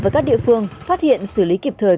với các địa phương phát hiện xử lý kịp thời